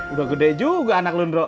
udah gede juga anak lo nro